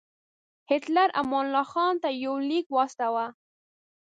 هیټلر امان الله خان ته یو لیک واستاوه.